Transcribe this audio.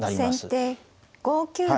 先手５九玉。